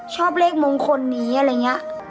ชอบเลขมงคลนี้อะไรเงี้ย